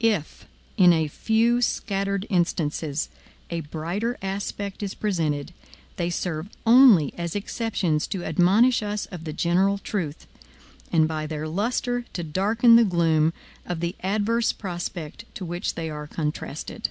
If, in a few scattered instances, a brighter aspect is presented, they serve only as exceptions to admonish us of the general truth; and by their lustre to darken the gloom of the adverse prospect to which they are contrasted.